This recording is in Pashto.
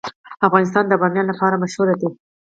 افغانستان د بامیان لپاره مشهور دی.